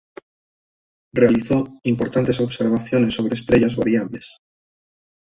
Realizó importantes observaciones sobre estrellas variables.